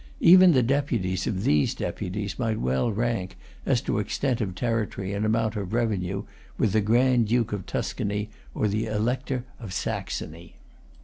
Even the deputies of these deputies might well rank, as to extent of territory and amount of revenue, with the Grand Duke of Tuscany, or the Elector of Saxony.